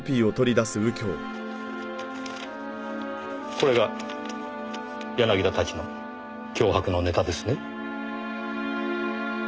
これが柳田たちの脅迫のネタですね？